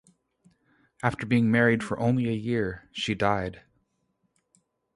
After being married for only a year she died.